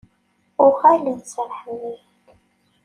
Uɣalen serrḥen-iyi-d.